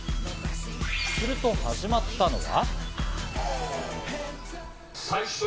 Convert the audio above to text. すると始まったのは。